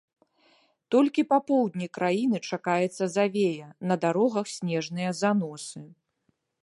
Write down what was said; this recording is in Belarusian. Толькі па поўдні краіны чакаецца завея, на дарогах снежныя заносы.